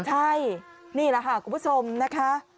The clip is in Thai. ใช่นี่แหละค่ะคุณผู้ชมนะคะ